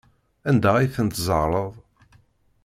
Anda ay tent-tzerɛeḍ?